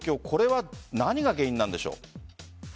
これは何が原因なんでしょう？